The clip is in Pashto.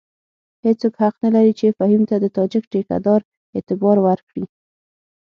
هېڅوک حق نه لري چې فهیم ته د تاجک ټیکه دار اعتبار ورکړي.